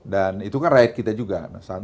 dan itu kan right kita juga